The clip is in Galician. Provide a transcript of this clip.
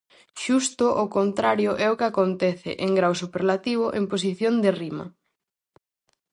Xusto o contrario é o que acontece, en grao superlativo, en posición de rima.